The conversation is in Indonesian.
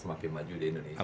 semakin maju di indonesia